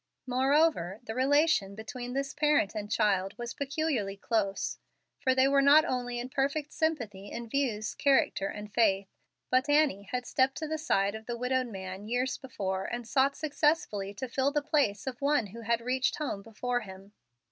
Moreover, the relation between this parent and child was peculiarly close, for they were not only in perfect sympathy in views, character, and faith, but Annie had stepped to the side of the widowed man years before and sought successfully to fill the place of one who had reached home before him.